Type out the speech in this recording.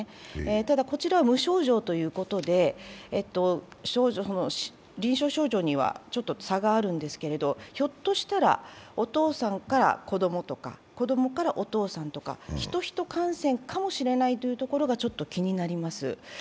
ただ、こちらは無症状ということで臨床少女には差があるんですがひょっとしたらお父さんから子供とか、子供からお父さんとかヒト−ヒト感染かもしれないというところがちょっと気になります。